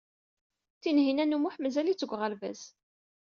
Tinhinan u Muḥ mazal-itt deg uɣerbaz.